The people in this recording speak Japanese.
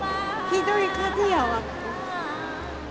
ひどい風やわ。